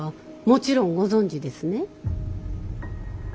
もちろんご存じですね。